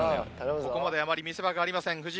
ここまであまり見せ場がありません